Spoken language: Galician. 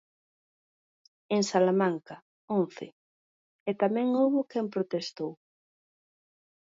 En Salamanca, once; e tamén houbo quen protestou...